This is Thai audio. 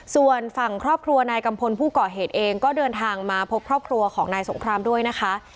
ส่วนฝั่งครอบครัวนายกัมพลผู้ก่อเหตุเองก็เดินทางมาพบครอบครัวของนายสงครามด้วยนะคะ